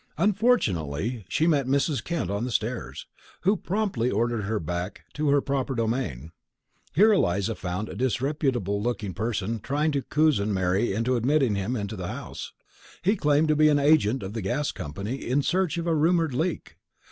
Unfortunately she met Mrs. Kent on the stairs, who promptly ordered her back to her proper domain. Here Eliza found a disreputable looking person trying to cozen Mary into admitting him to the house. He claimed to be an agent of the gas company, in search of a rumoured leak.